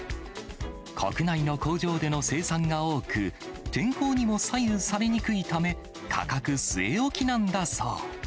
国内の工場での生産が多く、天候にも左右されにくいため、価格据え置きなんだそう。